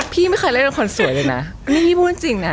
พี่ไม่เคยเล่นละครสวยเลยนะนี่พี่พูดจริงนะ